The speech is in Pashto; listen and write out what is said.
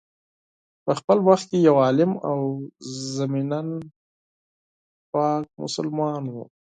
په خپل وخت کي یو عالم او ضمناً پاک مسلمان وو.